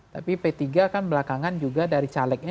tapi p tiga kan belakangan juga dari calegnya